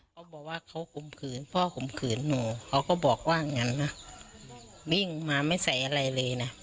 เขาบอกว่าเขาข่มขืนพ่อข่มขืนหนูเขาก็บอกว่าอย่างนั้นนะวิ่งมาไม่ใส่อะไรเลยนะ